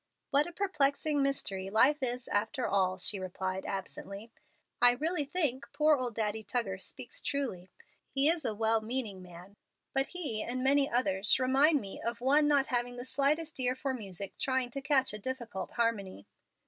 "What a perplexing mystery life is after all!" she replied, absently. "I really think poor old Daddy Tuggar speaks truly. He is a 'well meaning' man, but he and many others remind me of one not having the slightest ear for music trying to catch a difficult harmony."